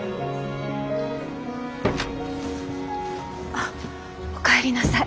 あっおかえりなさい。